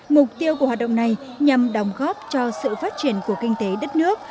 mục tiêu của hoạt động này nhằm đồng góp cho sự phát triển của kinh tế đất nước